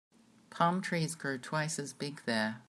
Palm trees grow twice as big there.